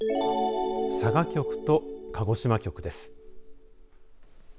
佐賀局と鹿児島局です。